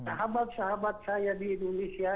sahabat sahabat saya di indonesia